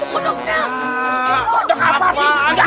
kodok apa sih